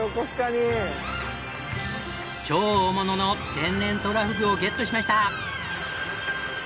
超大物の天然トラフグをゲットしました！